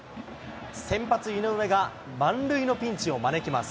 先発、井上が満塁のピンチを招きます。